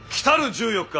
１４日？